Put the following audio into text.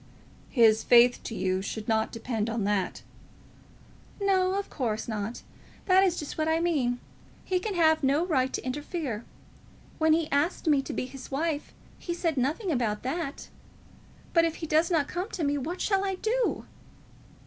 "His faith to you should not depend on that." "No, of course not; that is just what I mean. He can have no right to interfere. When he asked me to be his wife, he said nothing about that. But if he does not come to me, what shall I do?"